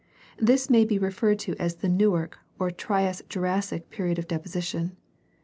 This may be referred to as the Newark or Trias Jurassic period of deposition.